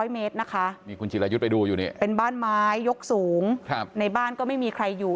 ๐เมตรนะคะนี่คุณจิรายุทธ์ไปดูอยู่เนี่ยเป็นบ้านไม้ยกสูงในบ้านก็ไม่มีใครอยู่